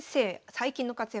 最近の活躍